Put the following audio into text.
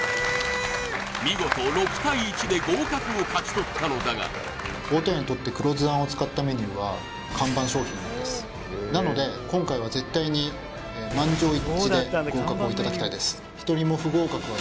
見事６対１で合格を勝ち取ったのだが大戸屋にとって黒酢あんを使ったメニューは看板商品なんですなので今回は絶対に満場一致で合格をいただきたいです